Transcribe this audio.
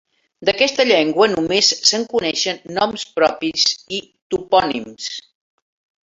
D'aquesta llengua només se'n coneixen noms propis i topònims.